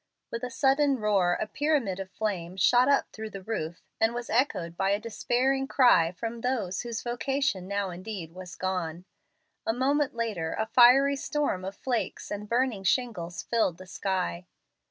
With a sudden roar a pyramid of flame shot up through the roof, and was echoed by a despairing cry from those whose vocation now indeed was gone. A moment later a fiery storm of flakes and burning shingles filled the sky.